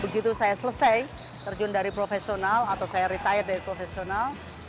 begitu saya selesai terjun dari profesional atau saya retire dari profesional